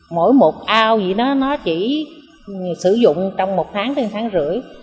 mỗi một ao gì đó nó chỉ sử dụng trong một tháng tới một tháng rưỡi